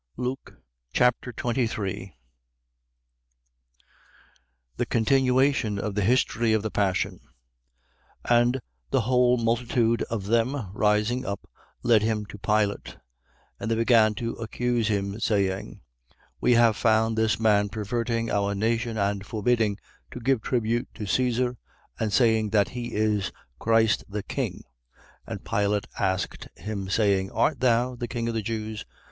Luke Chapter 23 The continuation of the history of the passion. 23:1. And the whole multitude of them, rising up, led him to Pilate. 23:2. And they began to accuse him, saying: We have found this man perverting our nation and forbidding to give tribute to Caesar and saying that he is Christ the king. 23:3. And Pilate asked him, saying: Art thou the king of the Jews?